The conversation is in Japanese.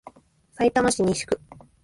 さいたま市西区